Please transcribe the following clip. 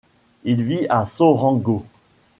Il vit à Sorengo.